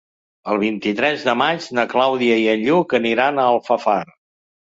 El vint-i-tres de maig na Clàudia i en Lluc aniran a Alfafar.